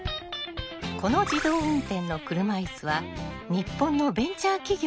この自動運転の車いすは日本のベンチャー企業が開発。